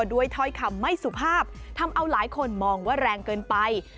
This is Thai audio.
ถ้อยคำไม่สุภาพทำเอาหลายคนมองว่าแรงเกินไป